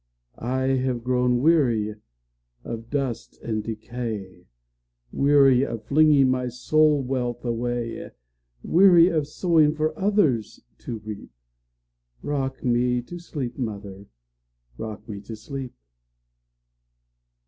I have grown weary of dust and decay,—Weary of flinging my soul wealth away; Weary of sowing for others to reap;—Rock me to sleep, mother,—rock me to sleep!